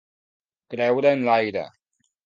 Creure en l'aire.